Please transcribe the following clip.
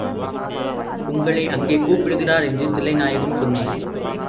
உங்களை அங்கே கூப்பிடுகிறார் என்று தில்லைநாயகம் சொன்னார்.